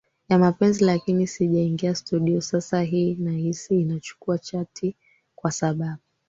ya mapenzi lakini sijaingia studio Sasa hii naihisi inachukua chati kwa sababu